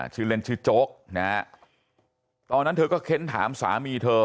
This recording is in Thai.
ชื่อเล่นชื่อโจ๊กนะฮะตอนนั้นเธอก็เค้นถามสามีเธอ